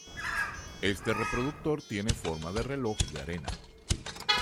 Este reproductor tiene forma de reloj de arena.